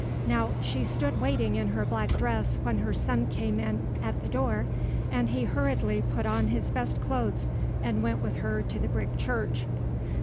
Now she stood waiting in her black dress when her son came in at the door and he hurriedly put on his best clothes and went with her to the brick church.